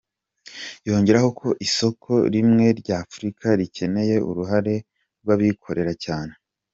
Yongeraho ko isoko rimwe ry’ Afurika rikeneye uruhare rw’ abikorera cyane.